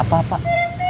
mau cari siapa pak